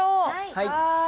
はい。